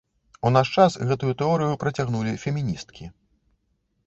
У наш час гэтую тэорыю працягнулі феміністкі.